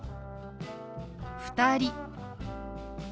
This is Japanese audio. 「２人」。